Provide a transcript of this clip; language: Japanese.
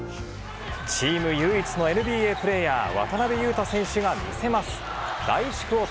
チーム唯一のＮＢＡプレーヤー、渡邊雄太選手が見せます。